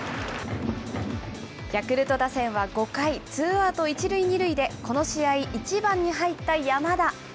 ヤクルト打線は５回、ツーアウト１塁２塁でこの試合、１番に入った山田。